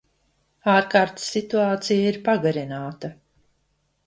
Ārkārtas situācija ir pagarināta.